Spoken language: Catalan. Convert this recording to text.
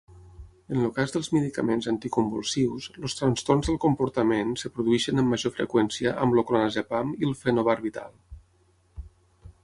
En el cas dels medicaments anticonvulsius, els trastorns del comportament es produeixen amb major freqüència amb el clonazepam i el fenobarbital.